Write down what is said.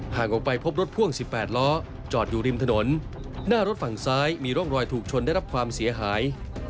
ออกไปพบรถพ่วง๑๘ล้อจอดอยู่ริมถนนหน้ารถฝั่งซ้ายมีร่องรอยถูกชนได้รับความเสียหาย